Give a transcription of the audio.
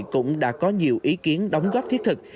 cũng đã có nhiều ý kiến đóng góp thiết thực